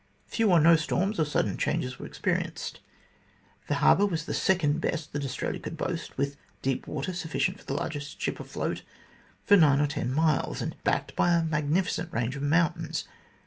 Few or no storms or sudden changes were experienced. The harbour was the second best that Australia could boast, with deep water, sufficient for the largest ship afloat, for nine or ten miles, and backed by a magnificent range of mountains.